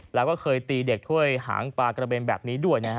แล้วก็เคยตีเด็กถ้วยหางปลากระเบนแบบนี้ด้วยนะฮะ